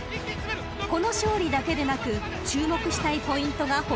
［この勝利だけでなく注目したいポイントが他にも］